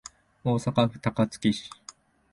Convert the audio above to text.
大阪府高槻市